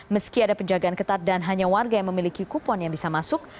meski ada penjagaan ketat dan hanya warga yang memiliki kupon yang bisa masuk